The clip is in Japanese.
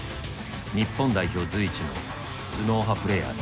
日本代表随一の“頭脳派プレーヤー”だ。